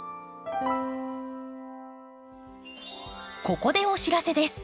ここでお知らせです。